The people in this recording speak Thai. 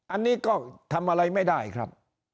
อันนี้ก็ทำอะไรไม่ได้ครับ